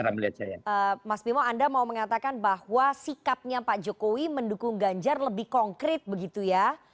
mas bimo anda mau mengatakan bahwa sikapnya pak jokowi mendukung ganjar lebih konkret begitu ya